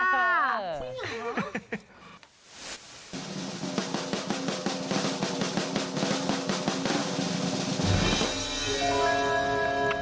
จริงเหรอ